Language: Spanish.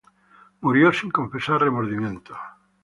Murió sin confesar remordimientos.